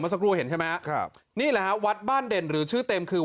สักครู่เห็นใช่ไหมครับนี่แหละฮะวัดบ้านเด่นหรือชื่อเต็มคือ